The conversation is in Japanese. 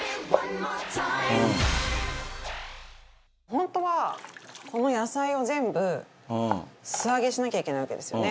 本当はこの野菜を全部素揚げしなきゃいけないわけですよね